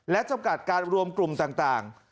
และจำกัดการรวมกลุ่มต่าง